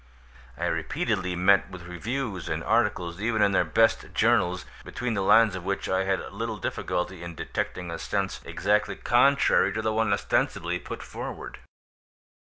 I repeatedly met with reviews and articles even in their best journals, between the lines of which I had little difficulty in detecting a sense exactly contrary to the one ostensibly put forward.